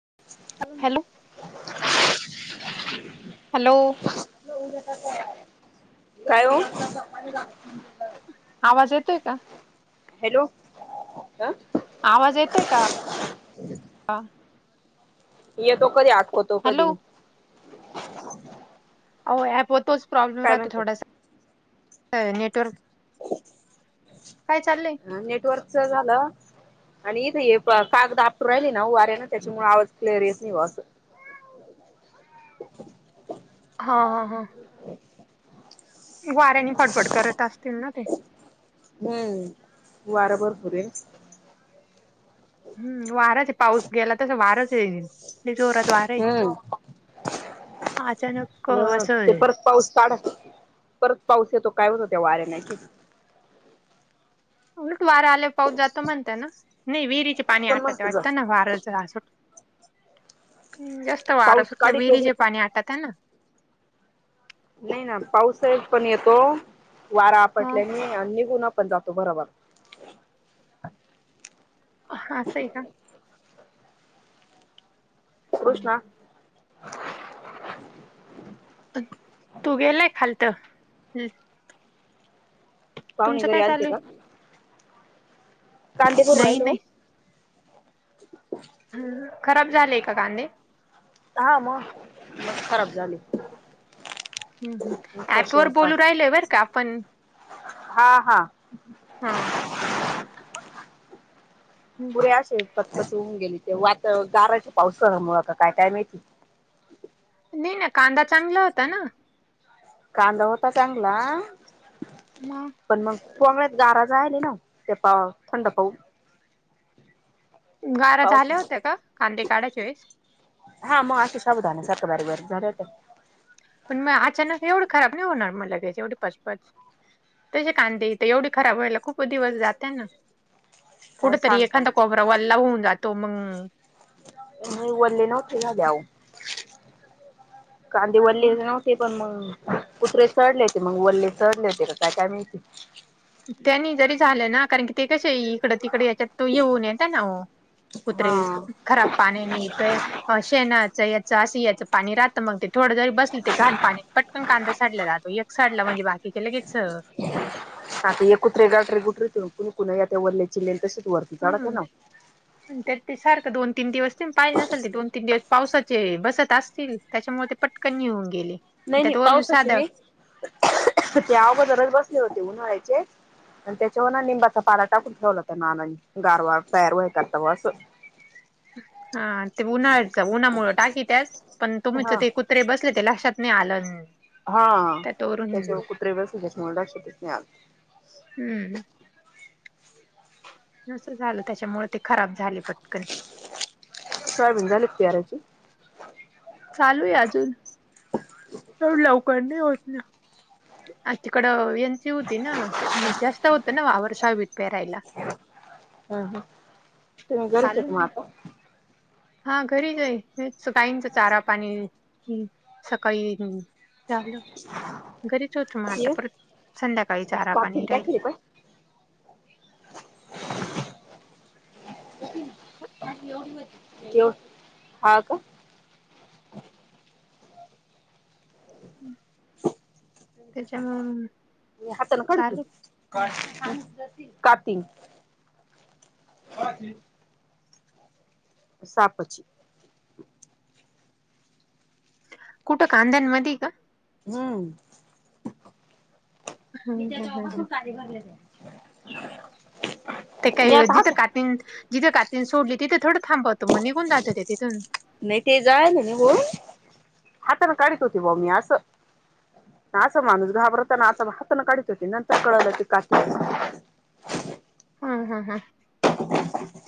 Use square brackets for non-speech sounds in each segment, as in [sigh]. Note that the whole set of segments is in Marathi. [inaudible] Hello hello. काय ओ. आवाज येतोय का? हॅलो! आवाज येतोय का? यतो कधी, आठवतो हॅलो कधी. आओ ॲपवर तोच प्रॉब्लेम काय राहतो म्हणते थोडा नेटवर्क. हो काय चाललय? हा नेटवर्कचं झालं. आणि इथे हे कागदा आपटू राहिली ना वाऱ्या ना त्याच्यामुळे आवाज क्लेअर येत नाय बा आसं हा हा हा [inaudible] वाऱ्यानी फडफड करत असतील ना ते. हु वार भरपूर हाय. हूं वारच हाय पाऊस गेला तसं वार जोरात हाय. हम्म अचानक ते परत पाऊस काढत परत पाऊस येतो काय होत हो त्या वाऱ्याने उलट वारा आल्यावर पाऊस जातो म्हणतात ना नाही विहिरीचं पाणी आठतं म्हणत जा वाटत वारा सुट जास्त वार पाऊस सुटल्यावर काढी तो बी विहिरीचं पाणी आटत ना. नाही ना पाऊसा पण येतो वारा हो आपटल्याने निघून पण जातो बराबर. हा असं हाय का? कृष्णा. तो गेलाय खालतं. पावणे तुमचं घरी काय आलते चालू आहे का? कांदे भरू नाही राहिले नाही ओ. ह खराब झालेय का कांदे? हा मग मग खराब झाले. हं हं तसे ॲपवर असतात बोलू राहिलय बरं का आपण. हा हा हा. हम्म. ते अशे पचपच होऊन गेले तेव आता गाराच्या पाऊससा मु आता काय काय मिळतील. नाय ना कांदा चांगला होता ना. कांदा होता चांगला. म [inaudible] पण मगमुळेळ्यात गारा जायले ना ते पा थंड पाह [inaudible] गारा झाल्या पाऊस होत्या का, कांदे काढाच्या वेळेस- हा मग अशा साबुदाण्यासारख्या बारीक बारीक झाल्या होत्या. पण मग अचानक एवढं खराब नाय होणार लगेच एवढी पचपच. तसे कांदेथ एवढी खराब व्हायला खूप दिवस जाते ना. काय कुटतरी सांगता एखादा कोपरा वल्ला होऊन जातो मग, हो वल्ले नव्हते झाले आवं. कांदे वल्ले नव्हते पण मग. कुतरे चढले होते मग वल्ले चढले होते का काय काय माहिती. त्यांनी जरी झालं ना, कारण की ते कशे येतील. इकड तिकडे येच्यात तो येऊन येत ना ओ हा कुत्रे. खराब पाण्याने येते, शेनाच याचं पाणी राहतं मग असं थोडं जरी बसली ते घाण पाणी पटकन कांदा सडला जातो. एक सडला म्हणजे बाकीचे लगेच, ह ते एक कुत्रे गाठरे गुठरे त कुणी कुण आ त्या वरले चिलेल तशीच वरती काढत आहे ना [inaudible] आणि त्यात ते सारखं दोन तीन दिवस ते पाहिले नसेल ते दोन तीन दिवस पावसाचे बसत असतील त्याच्यामुळे ते पटकन येऊन गेले. नाही नाही त्यात वरून पावसाची साधं नाही ते अगोदररच बसले होते उन्हाळ्याचे आणि त्याच्यावर ना निंबाचा पाला टाकून ठेवला होता नानांनी. गारवा तयार [unintelligible] करता असं हा ते उन्हाळ्याच उन्हामुळं टाकीत्यात, पण तुमचं हा ते कु त्रे बसले ते लक्षात नाही आलं हा त्यात वरून त्याच्यावर कुत्रेवर बसलेत म्हणून लक्षात नाही आलं. हम्म. नसंल झालं त्याच्यामुळे ते खराब झाले पटकन. सोयाबीन झाली का पेराची? चालू आहे अजून. एवढं लवकर नाही होत ना. तिकडं ते होती ना, मग जास्त होत ना वावर [unintelligible] पेरायला. हा हा तुम्ही घरीच चालू आहेत मग आता हा घरीच हाय. तेच गाईंच चारा, पाणी सकाळी झालं. घरीच होतो मग आता ये परत संध्याकाळीच कापीन चारापाणी राहील. टाकली का [inaudible] हा का? त्याच्यामुळे मग हातानी काड चालेल की. काय ती? सापची कुठं कांद्यांमध्ये हाय का? हम्म. हम्म, हम्म, हम्म, हम्म. [inaudible] ते मी काही आता जिथं हात कातीन जिथे कातीन सोडली तिथे थोडं थांबवतो मग निघून जाते ते तिथून. नाही ते जायला निघुन, ‌ हाताने काढत होते बुवा मी असं असा माणूस घाबरत नां. असं हातानं काढत होती नंतर कळालं ते कात हं, हं, हम्म.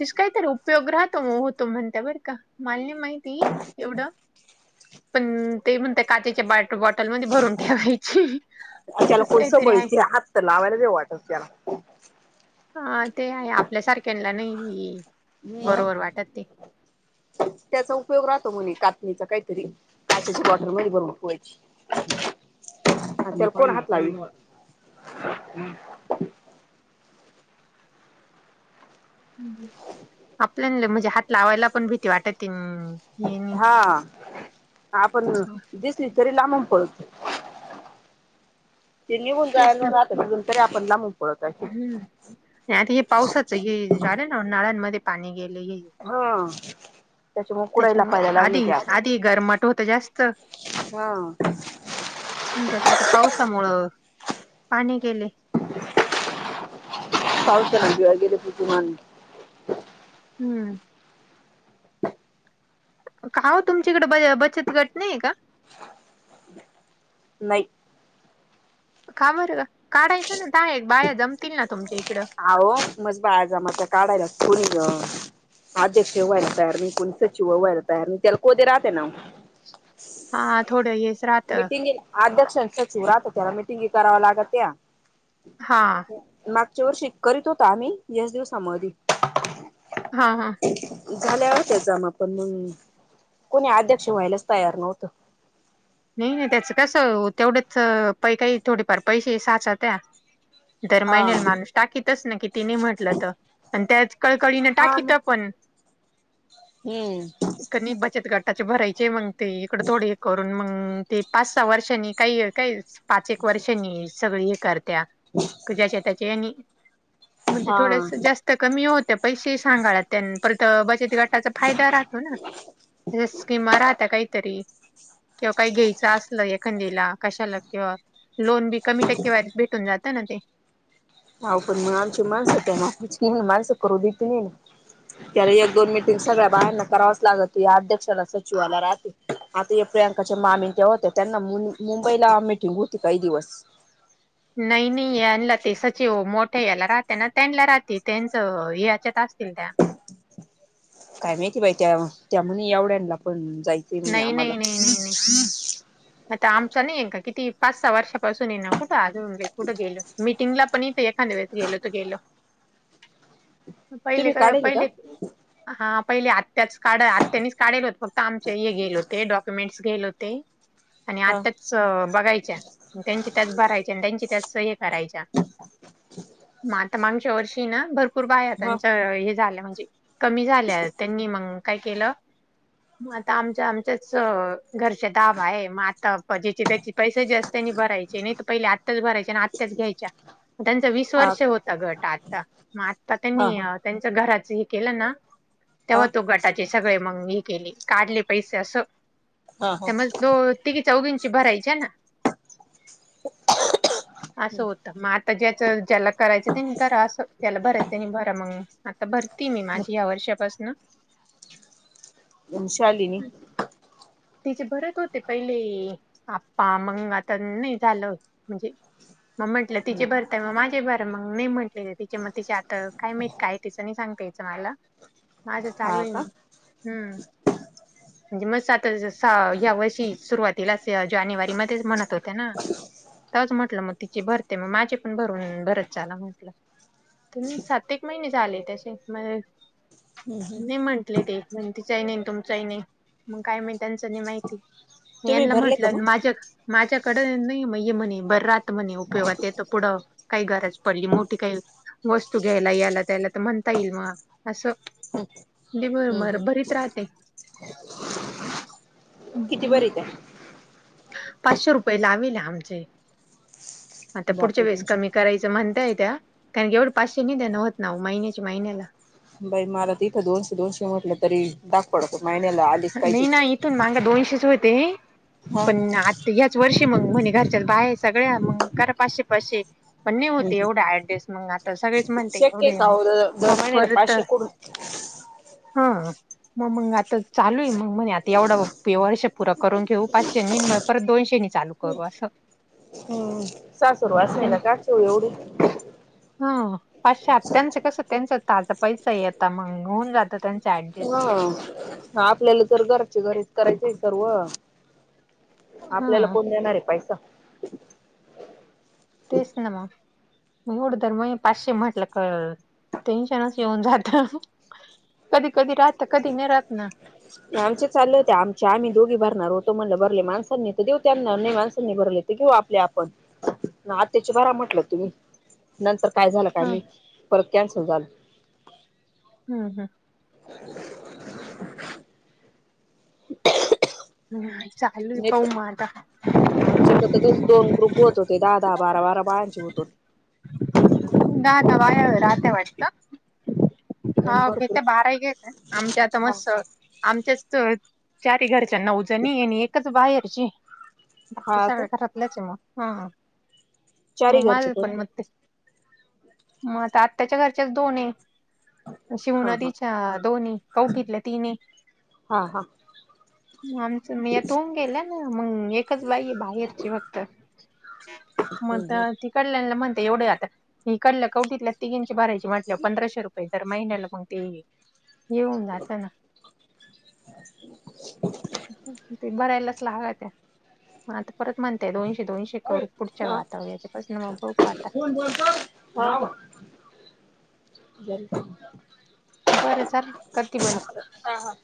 तस काहीतरी उपयोग राहतो होतो म्हणते बरं का. मला नाही माहिती एवढं. पण ते म्हणतात काचेच्या बाट बॉटलमध्ये भरून ठेवायची. त्याला असं कोण काहीतरी आहे. संबळित्या हात तर लावायला नाही वाटत त्याला. हा ते आहे आपल्या सारख्यांला नाही हं. बरोबर वाटत ते. त्याचा उपयोग राहतो म्हणे कातणीचा काहीतरी. काचच्या बॉटलमध्ये बरून ठेवायची. [inaudible] हा त्याला कोण हात लावीन मग? आपल्यांना म्हणजे हात लावायला पण भीती वाटती हा. आपण असं दिसली तरी लांबून पळतो. ते निघून तेच जायन ना रात अजून तरी आपण लांबून पळतोय. नाही आता हे पावसाच ये झालं ना नळांमध्ये पाणी गेले हे हा. त्याच्यामुळे कुडायला त्याच्यामुळं. पाहायला लागले ते आधी आज आधी गरमट होतं जास्त हा आणि त्यात आता पावसामुळं पाणी गेले. पाऊस [unintelligible] हम्म. का ओ तुमच्याकडे ब बचत गट नाहीये का? नाही. का बरं? काढायचं ना दहा एक बाया जमतील ना तुमच्या इकडं. अहो मस्त बाया जमती काढायला कोणी ग अध्यक्ष व्हायला तयार नाही कोणी सचिव व्हायला तयार नाही. त्याला कोदे राहते ना ओ. हा थोडं हेच राहत अध्यक्ष आणि सचिव राहात त्याला मीटिंगी करावं लागत्या. हा. मागच्या वर्षी करीत होतो आम्ही ह्याच दिवसामधी हा, हा. झाल्या होत्या जमा, पण मंग कोणी अध्यक्ष व्हायलाच तयार नव्हतं. नाही नाही त्याचं कसं हो तेवढेच पै काही थोडेफार पैसे साचत्या. दर हा. महिन्याला माणूस टाकीतच नाही किती मी म्हटलं तर, पण त्याच कळकळीन हा टाकीत मग पण. हम्म. कधी बचत गटाचे भरायचे मंग ते इकड थोडे करून मंग ते पाच सहा वर्षांनी काही काही पाच एक वर्षांनी सगळे हे करत्या क ज्याच्या त्याच्या यांनी मंग ते हा थोडस जास्त कमी होत्या पैशे सांगाळ त्यांन परत बचती गट त्याचा फायदा राहतो ना जसं स्किमा राहत काहीतरी किंवा काही घ्यायचं असल एखंदिला कशाला किंवा लोनबी कमी टक्केवारीत भेटून जात ना ते. हा ओ पण म आमची माणसं त्या मापाची नाही, माणसं करून देत नाही. त्यान एक दोन मीटिंग सगळ्या बायांना करावच लागती. अध्यक्षाला, सचिवाला राहती. आता या प्रियांकाच्या मामी त्या होत्या त्यांना मुंब मुंबईला मिटिंग होती काही दिवस. नायी नायी यांला ते सचिव मोठे याला राहते ना, त्यांला राहती त्यांच अ याच्यात असतील त्या काय माहिती बाई त्या त्या म्हणे एवढ्यांना पण जायचे म्हणे नाही आम्हाला. नाही नाही नाही नाही. आता आमचा नाहीये का किती पाच सहा वर्षापासून आहे ना, कुठं अजून कुठं गेलोय. मिटिंगला पण येथे एखांद्या वेळेस गेलो तर गेलो. पहिले तुम्ही का काढेल पहिले हा पहिले आत्त्याच कार्ड आत्त्यानीच काडेल होतं फक्त आमचे हे गेले होते, डॉक्युमेंट्स गेले होते. आणि हा अत्त्याच बघायच्या, मगं त्यांची त्याच भरायच्या आणि त्यांची त्याच सह्या करायच्या. मग आता मांगच्या वर्षी हे ना भर भरपूर बाया ह त्यांचा हे झाल्या म्हणजे कमी झाल्या. त्यांनी मंग काय केलं मग आता आमच्या आमच्याच अं घरच्या दाभ आहे मग आता प ज्याचे त्याचे पैसे जे असते नी भरायचे नाही तर पहिले आत्ताच भरायचे आणि आत्ताच घ्यायच्या. त्यांचा वीस हा हा वर्ष होता गट आता, मग आता त्यांनी हा अ त्यांच घराच हे केलं ना हा तेव्हा तो गटाचे सगळे मंग हे केली काढले पैसे असं हा त्यामुळे तो तिघी चौघींचे भरायच्या ना, असं होत मग आ आता ज्याच ज्याला करायचं त्यांनी करा असं त्याला भरायचं त्यांनी भरा मंग. आता भरती मी माझी ह्या वर्षापासनं अं श्वालिनी तिचे भरत होते पहिले आप्पा, मंग आता नाही झालं म्हणजे मग म्हट टल तिचे भर ते मग माझेही भरा मंग मी म्हटलेले तिचे मग तिचे आता काय माहित काय तिचं नाही सांगत यायचं मला. [inaudible] माझं चालू हा आहे ना. का हम्म म्हणजे म सात आ यावर्षी सुरुवातीलाच ते जानेवारी मध्येच म्हणत होत्या ना. तेव्हाच म्हटलं मग तिची भरते मग माझे पण भरून भरत चाला म्हटलं. तर सात एक महिने झालेत असे म नाही म्हंटले ते. म्हणे तिचाही नाही आणि तुमचाही नाही, मंग काय माहित त्यांचं नाही माहिती. मी तुम्ही ह्यांना भरले का मग म्हंटलं माझ्या माझ्याकडे नाही मग हे म्हणे बर राहत म्हणे उपयोगात येत पुढं. काही गरज पडली. मोठी काही वस्तू घ्यायला ह्याला त्याला तर म्हणता येईल मग असं हं. दि बर मर बरीत राहते. किती बरी त्या. पाचशे रुपये लाविले आमचे. आता पुढच्या बापरे वेळेस तुमची कमी करायचं म्हणताय त्या. कारण एवढे पाचशे नाही देन होत ना, महिन्याच्या महिन्याला. बाई मला तर इथं दोनशे दोनशे म्हटलं, तरी दाप पडतो महिन्याला आडीच नाही पाहिजेच. ना इथून माग दोनशे च होते, हा पण आत याच वर्षी मग म्हणे, घरच्यांचं बाया हाय सगळ्या मग करा पाचशे पाचशे. पण ने होत एवढं अॅडजस्ट मग आता, सगळेच म्हणते शक्य आहे होवूदे का मग हो दर मग महिन्याला परत. पाचशे कडून हं. मग मग आता चालू आहे मग म्हणे, आता एवढं वर्ष पुरा करून घेऊ पाचशे नी मग परत दोनशे नी चालू. करू असं. सासूरवास ये ना [unintelligible] एवढी. [inaudible] ह पाचशे आत त्याचं कसं, त्यांच ताजा पैसा हाय त्यांचं होऊन जातं त्याचं अॅडजे वं.. आपल्याला तर घरच्या घरीच करायचाय आहे सर्व. हा आपल्याला कोण देणाराय पैसा. तेच ना मग. मग एवढं तरर मग पाचशे म्हटलं क टेन्शनच येऊन जातं. कधी कधी राहतं, कधी नाही राहतं ना. आमच्या चालले होते आमच्या आम्ही दोघी भरणार होतो. म्हणलं भरले माणसांनी तर देवू तेना नाही माणसांन भरले. ते घेऊ आपल्या आपण, आत्याच्या भरा म्हटलं तुम्ही. नंतर काय झालं काय ह माहित, परत कॅन्सल झालं. हम. हम... [inaudible] [inaudible] नाय चालू हाय, पाहू म आता. आमच्याकडं तर दोन ग्रुप होत होते, दहा दहा बारा बारा बायांचे होत होते. दादा बाहेर राहते वाटतं. होते हा भरपूर घेत बाराही घेत आमच्या, आता हा मस्त आमच्याचं. चारी घरच्या नऊजणी आणि, एकच बाहेरची बाकी हा का सगळ्या घरांत. ला चि म हा म चारी मा घरचे पणी करते म [inaudible] मग आता आत्याच्या घरच्याच दोन ये. शिव हा हा नदीच्या दोन्ही कवठीतले तीन्ही. हा हा म आमचं मी या तु होऊन गेल ना, मगं एकच बाईय बाहेर. ची फक्त हम्म म्हणता, तिकडल्याना म्हणते एवढं आता. इकडच्या कवटीतल्या तिघींचे भरायचे म्हणल्यावर, पंधराशे रुपये महिन्याला ते. हे हून जात ना. ते भरायलाच लागते. मग आता परत म्हणतेय, दोनशे दोनशे करू पुढच्या वेळा आता हेच्यापासन मग बघू आता. [unintelligible] बरं चला, करती बंद. हां हां.